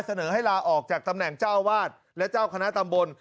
เสนอให้ลาออกจากตำแหน่งเจ้าวาดและเจ้าคณะตำบล